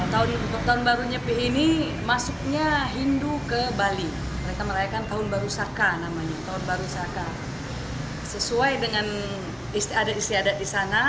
tahun baru nyepi ini masuknya hindu ke bali mereka merayakan tahun baru saka sesuai dengan istiadat istiadat di sana